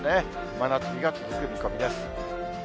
真夏日が続く見込みです。